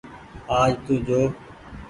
آج تو جو۔